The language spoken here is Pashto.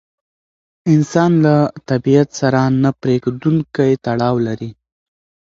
انسان له طبیعت سره نه پرېکېدونکی تړاو لري.